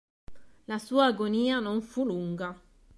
La sua agonia non fu lunga.